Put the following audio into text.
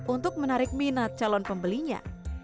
untuk menarik minat calon pembelinya